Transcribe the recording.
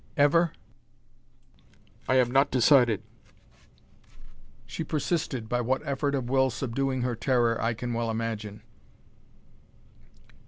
"Ever?" "I am not decided." She persisted, by what effort of will subduing her terror I can well imagine.